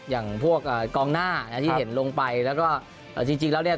อย่างพวกเอ่อกองหน้านะที่เห็นลงไปแล้วก็เอ่อจริงจริงแล้วเนี่ย